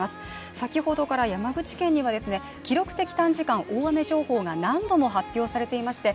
先ほどから山口県には記録的短時間大雨情報が何度も発表されていまして